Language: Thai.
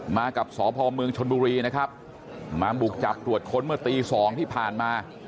มากับสพเมืองชนบุรีนะครับมาบุกจับตรวจค้นเมื่อตีสองที่ผ่านมา